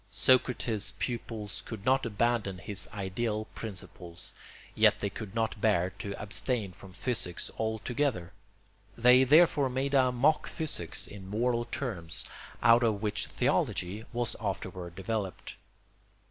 Socrates' pupils could not abandon his ideal principles, yet they could not bear to abstain from physics altogether; they therefore made a mock physics in moral terms, out of which theology was afterward developed.